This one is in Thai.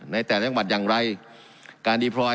ในแดดล่างบัตรอย่างไร